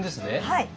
はい。